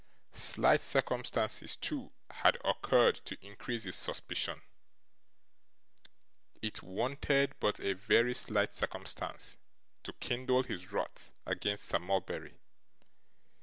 Slight circumstances, too, had occurred to increase his suspicion. It wanted but a very slight circumstance to kindle his wrath against Sir Mulberry.